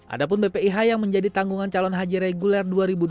ada pun bpih yang menjadi tanggungan calon haji reguler dua ribu dua puluh